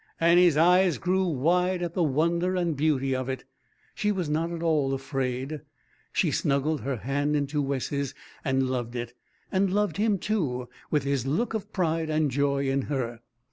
Annie's eyes grew wide at the wonder and beauty of it. She was not at all afraid. She snuggled her hand into Wes's and loved it and loved him, too, with his look of pride and joy in her.